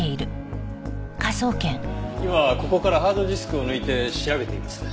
今ここからハードディスクを抜いて調べています。